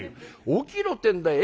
起きろってんだよ。